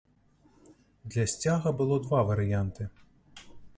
Для сцяга было два варыянты.